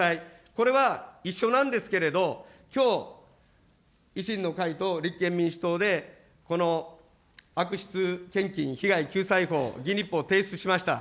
これは一緒なんですけれど、きょう、維新の会と立憲民主党で、この悪質献金被害救済法、議員立法に提出しました。